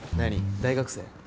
大学生？